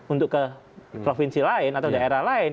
untuk ke provinsi lain atau daerah lain